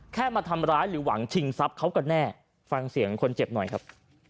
มาทำร้ายหรือหวังชิงทรัพย์เขาก็แน่ฟังเสียงคนเจ็บหน่อยครับ